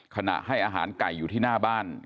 ขณะให้อาหารไก่อยู่ที่หน้าบ้าน